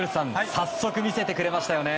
早速見せてくれましたね。